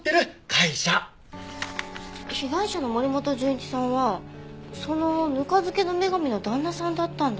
被害者の森本純一さんはそのぬか漬けの女神の旦那さんだったんだ。